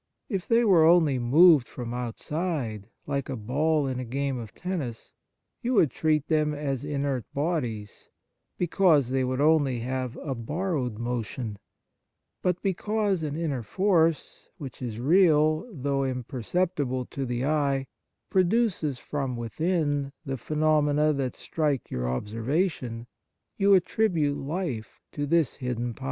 If they were only moved from outside, like a ball in a game of tennis, you would treat them as inert bodies, because they would only have a borrowed motion ; but because an inner force, which is real, though imperceptible to the eye, produces from within the phenomena that strike your observation, you attribute life to this hidden power.